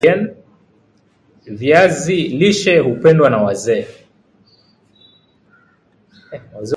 Viazi lishe hupendwa na wazee